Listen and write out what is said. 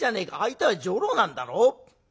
相手は女郎なんだろ？